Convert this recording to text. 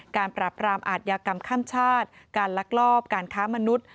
ปราบรามอาทยากรรมข้ามชาติการลักลอบการค้ามนุษย์